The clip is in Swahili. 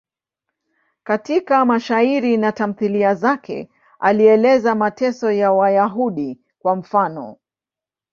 Katika mashairi na tamthiliya zake alieleza mateso ya Wayahudi, kwa mfano.